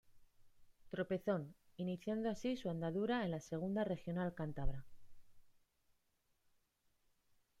Tropezón, iniciando así su andadura en la Segunda Regional cántabra.